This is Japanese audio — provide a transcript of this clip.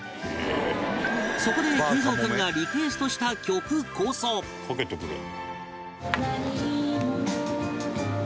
そこで桂三君がリクエストした曲こそ「かけてくれる」